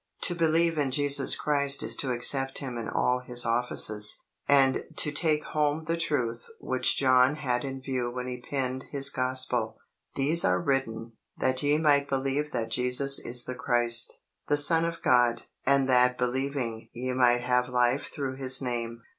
To believe in Jesus Christ is to accept Him in all His offices, and to take home the truth which John had in view when he penned his Gospel: "These are written, that ye might believe that Jesus is the Christ, the Son of God; and that believing ye might have life through his name."